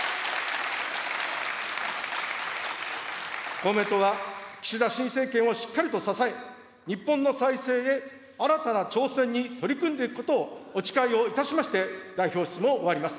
公明党は、岸田新政権をしっかりと支え、日本の再生へ新たな挑戦に取り組んでいくことをお誓いをいたしまして、代表質問を終わります。